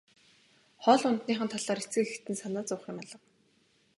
Хоол ундных нь талаар эцэг эхэд нь санаа зовох юм алга.